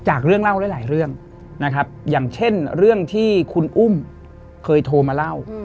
เรื่องเล่าหลายเรื่องนะครับอย่างเช่นเรื่องที่คุณอุ้มเคยโทรมาเล่า